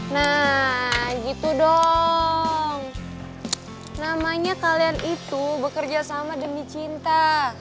nah gitu dong namanya kalian itu bekerja sama demi cinta